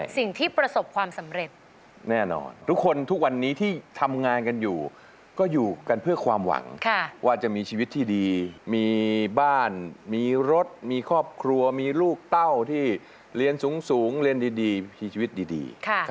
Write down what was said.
สิ่งที่ประสบความสำเร็จแน่นอนทุกคนทุกวันนี้ที่ทำงานกันอยู่ก็อยู่กันเพื่อความหวังว่าจะมีชีวิตที่ดีมีบ้านมีรถมีครอบครัวมีลูกเต้าที่เรียนสูงเรียนดีมีชีวิตดี